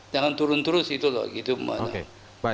jangan turun terus itu loh